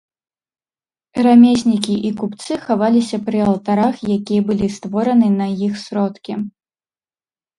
Рамеснікі і купцы хаваліся пры алтарах, якія былі створаны на іх сродкі.